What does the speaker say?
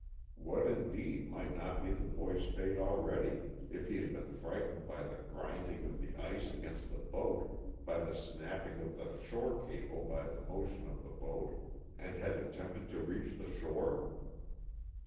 What, indeed, might not be the boy's fate already, if he had been frightened by the grinding of the ice against the boat, by the snapping of the shore cable or by the motion of the boat, and had attempted to reach the shore?